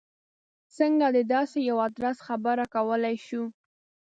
څنګه د داسې یوه ادرس خبره کولای شو.